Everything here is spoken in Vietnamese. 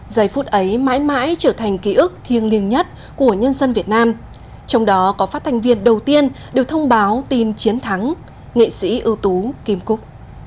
giây phút ấy mãi mãi trở thành ký ức thiêng liêng nhất của nhân dân việt nam trong đó có phát thành viên đầu tiên được thông báo tìm chiến thắng nghệ sĩ ưu tú kim cúc